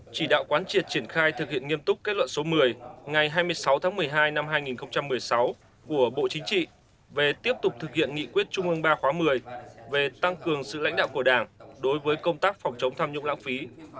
chỉ đạo quán triệt triển khai thực hiện nghiêm túc kết luận số một mươi ngày hai mươi sáu tháng một mươi hai năm hai nghìn một mươi sáu của bộ chính trị về tiếp tục thực hiện nghị quyết trung ương ba khóa một mươi về tăng cường sự lãnh đạo của đảng đối với công tác phòng chống tham nhũng lãng phí